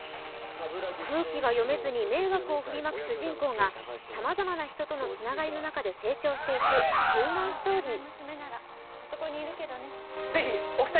空気が読めずに迷惑を振りまく主人公がさまざまな人とのつながりの中で成長していくヒューマンストーリー。